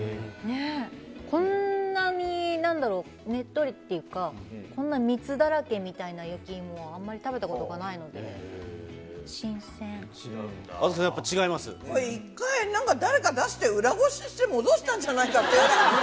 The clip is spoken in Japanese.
こんなに、なんだろう、ねっとりっていうか、こんな蜜だらけみたいな焼き芋はあんまり食べたことがないので、あさこさん、やっぱり違いま一回、なんか、誰か出して、裏ごしして、戻したんじゃないかっていうぐらい。